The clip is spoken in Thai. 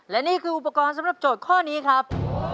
และนี่คืออุปกรณ์สำหรับโจทย์ข้อนี้ครับ